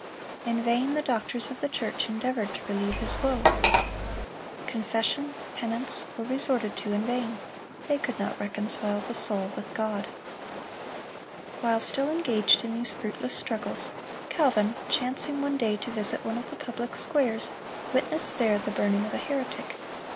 In vain the doctors of the church endeavored to relieve his woe. Confession, penance, were resorted to in vain; they could not reconcile the soul with God. While still engaged in these fruitless struggles, Calvin, chancing one day to visit one of the public squares, witnessed there the burning of a heretic.